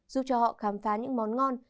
giúp cho họ khám phá những món ngon